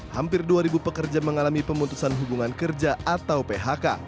hampir dua pekerja mengalami pemutusan hubungan kerja atau phk